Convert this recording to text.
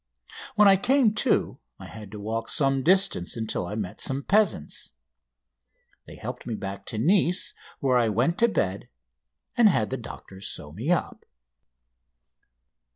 When I came to I had to walk some distance until I met some peasants. They helped me back to Nice, where I went to bed, and had the doctors sew me up.